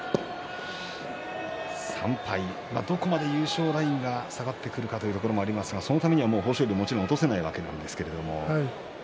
３敗、どこまで優勝ラインが下がってくるかというところもありますがそのためにも豊昇龍は落とせないところです。